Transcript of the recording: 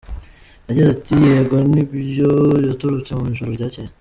Yagize ati “Yego ni byo yatorotse mu ijoro ryacyeye.